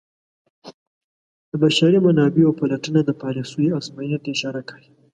د بشري منابعو پلټنه د پالیسیو ازموینې ته اشاره کوي.